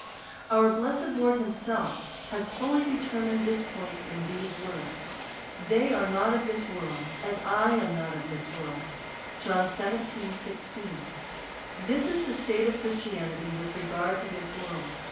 Our blessed Lord himself has fully determined this point in these words : They are not of this world, as I am not of this world. This is the state of Christianity with regard to this world.